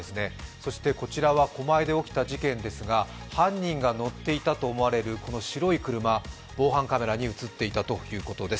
そしてこちらは狛江で起きた事件ですが、犯人が乗っていたとみられるこの白い車、防犯カメラに映っていたということです。